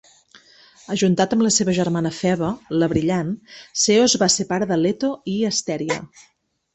Ajuntat amb la seva germana Febe, "la brillant", Ceos va ser pare de Leto i Astèria